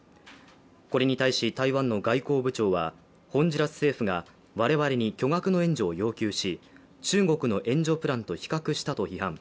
これに対し台湾の外交部長はホンジュラス政府が我々に巨額の援助を要求し中国の援助プランと比較したと批判。